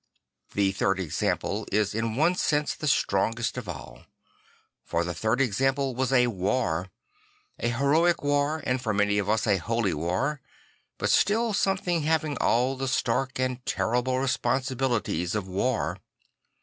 The third example is in one sense the strongest of all. For the third example was a \var; a heroic war and for many of us a holy war; but still something having all the stark and terrible responsibilities of war.